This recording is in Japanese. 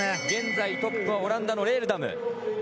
現在トップはオランダのレールダム。